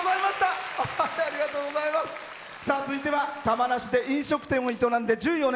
続いては玉名市で飲食店を営んで１４年。